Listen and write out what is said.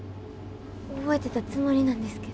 覚えてたつもりなんですけど。